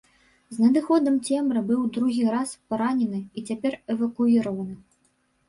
З надыходам цемры быў другі раз паранены і цяпер эвакуіраваны.